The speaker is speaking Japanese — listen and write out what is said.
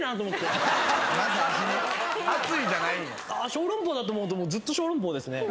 ショーロンポーだと思うとずっとショーロンポーですね。